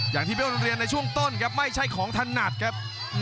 อย่างที่เบ้นเรียนในช่วงต้นครับไม่ใช่ของถนัดครับ